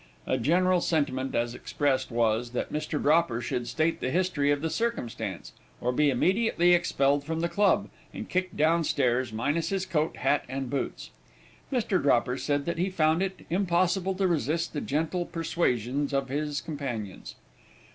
A general sentiment as expressed was, that Mr. Dropper should state the history of the circumstance, or be immediately expelled from the club, and kicked down stairs, minus his coat, hat, and boots. Mr. Dropper said that he found it impossible to resist the gentle persuasions of his companions.